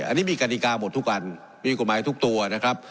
อันนี้มีกฎิกาหมดทุกอันมีกฎหมายทุกตัวนะครับ